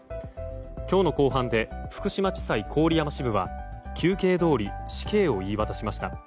教の公判で福島地裁郡山支部は求刑どおり死刑を言い渡しました。